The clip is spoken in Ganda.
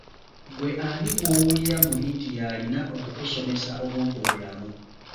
Ggwe ani gw'owuli muli nti y’alina okukusomesa obuntubulamu ?